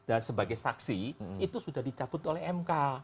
dan sebagai saksi itu sudah dicabut oleh mk